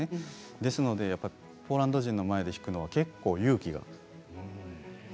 ですのでポーランド人の前で弾くのは結構勇気がいるんです。